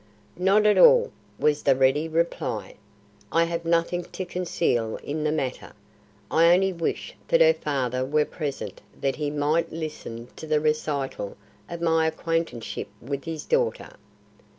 "Not at all," was the ready reply. "I have nothing to conceal in the matter. I only wish that her father were present that he might listen to the recital of my acquaintanceship with his daughter.